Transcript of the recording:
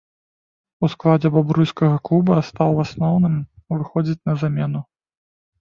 У складзе бабруйскага клуба стаў у асноўным выхадзіць на замену.